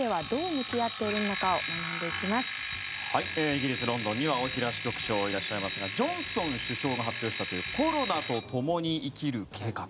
イギリス・ロンドンには大平支局長いらっしゃいますがジョンソン首相が発表したというコロナとともに生きる計画。